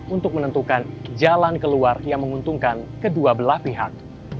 untuk menentukan jalan keluar yang menguntungkan kedua belah pihak